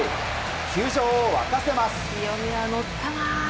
球場を沸かせます。